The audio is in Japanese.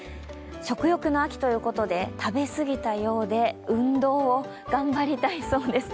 食欲の秋ということで食べ過ぎたようで運動を頑張りたいそうです。